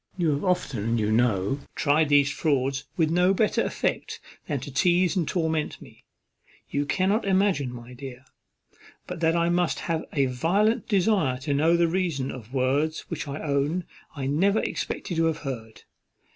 You have often, you know, tried these frauds with no better effect than to teize and torment me. You cannot imagine, my dear, but that I must have a violent desire to know the reason of words which I own I never expected to have heard.